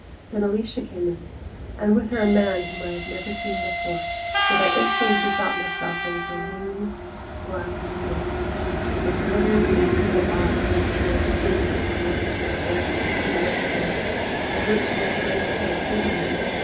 Then Alicia came in, and with her a man whom I had never before seen. Yet I instantly bethought myself of a lean black snake, with a glittering and evil eye, which I had seen in Mrs. Montressor's garden two summers agone, and which was like to have bitten me.